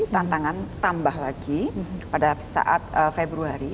tantangan tambah lagi pada saat februari